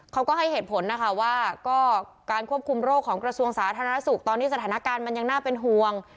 เขาก็ให้เหตุผลนะคะว่าก็การควบคุมโรคของกระทรวงสาธารณสุขตอนนี้สถานการณ์มันยังน่าเป็นห่วง